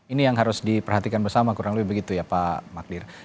ini yang harus diperhatikan bersama kurang lebih begitu ya pak magdir